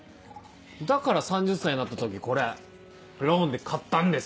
だから３０歳になった時これローンで買ったんです！